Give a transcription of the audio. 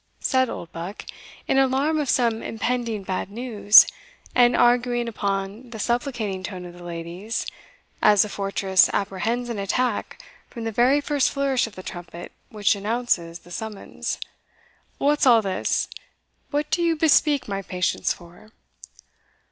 said Oldbuck, in alarm of some impending bad news, and arguing upon the supplicating tone of the ladies, as a fortress apprehends an attack from the very first flourish of the trumpet which announces the summons "what's all this? what do you bespeak my patience for?"